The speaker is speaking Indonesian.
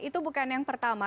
itu bukan yang pertama